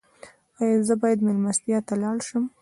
ایا زه باید میلمستیا ته لاړ شم؟